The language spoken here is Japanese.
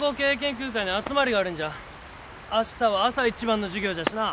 明日は朝一番の授業じゃしな。